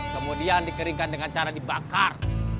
kemudian dikeringkan dengan cara dibakar